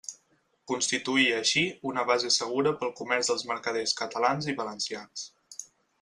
Constituïa així una base segura pel comerç dels mercaders catalans i valencians.